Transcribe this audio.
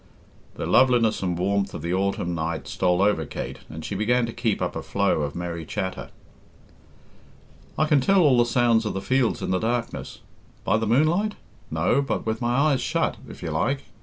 The lovelinese and warmth of the autumn night stole over Kate, and she began to keep up a flow of merry chatter. "I can tell all the sounds of the fields in the darkness. By the moonlight? No; but with my eyes shut, if you like.